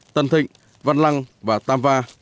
tân thịnh văn lăng và tam va